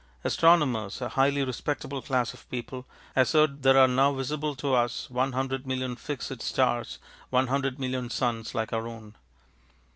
Astronomers, a highly respectable class of people, assert there are now visible to us one hundred million fixed stars, one hundred million suns like our own.